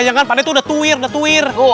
yang bantu irit uit